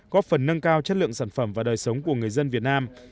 góp phần nâng cao chất lượng sản phẩm và đời sống của người dân việt nam